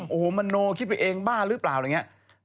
โอ้โหมโนคิดไปเองบ้าหรือเปล่าอะไรอย่างนี้